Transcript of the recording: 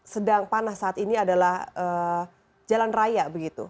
sedang panas saat ini adalah jalan raya begitu